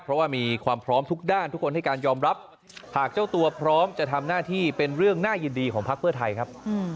เพราะว่ามีความพร้อมทุกด้านทุกคนให้การยอมรับหากเจ้าตัวพร้อมจะทำหน้าที่เป็นเรื่องน่ายินดีของพักเพื่อไทยครับ